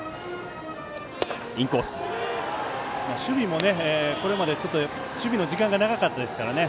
守備も、これまで時間が長かったですからね。